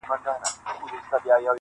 ستا پر سره ګلاب چي و غوړېږمه-